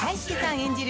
演じる